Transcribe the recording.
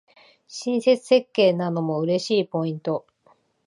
親切設計なのも嬉しいポイント